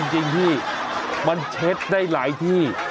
เอาจริงที่มันความใจได้หลายที่